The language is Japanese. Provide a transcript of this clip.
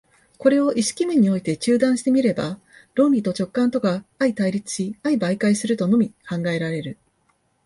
これを意識面において中断して見れば、論理と直覚とが相対立し相媒介するとのみ考えられる。